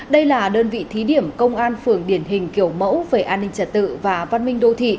đây là đơn vị thí điểm công an phường điển hình kiểu mẫu về an ninh trật tự và văn minh đô thị